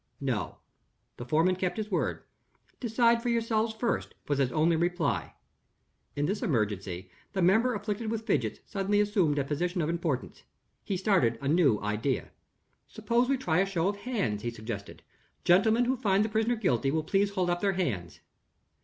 No; the foreman kept his word. "Decide for yourselves first," was his only reply. In this emergency, the member afflicted with fidgets suddenly assumed a position of importance. He started a new idea. "Suppose we try a show of hands," he suggested. "Gentlemen who find the prisoner guilty will please hold up their hands."